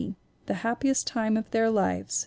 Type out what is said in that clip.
The Happiest Time of Their Lives, 1918.